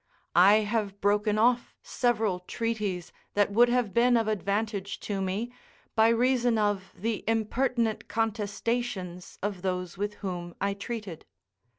I have broken off several treaties that would have been of advantage to me, by reason of the impertinent contestations of those with whom I treated.